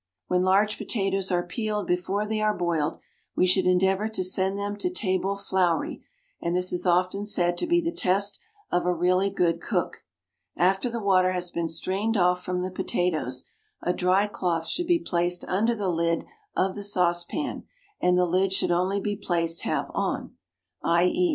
When large potatoes are peeled before they are boiled, we should endeavour to send them to table floury, and this is often said to be the test of a really good cook. After the water has been strained off from the potatoes, a dry cloth should be placed under the lid of the saucepan, and the lid should only be placed half on, _i.e.